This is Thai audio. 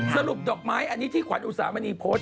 สรุปดอกไม้อันนี้ที่ขวัญอุตสามนีโพส